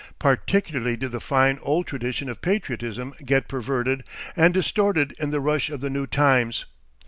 Particularly did the fine old tradition of patriotism get perverted and distorted in the rush of the new times.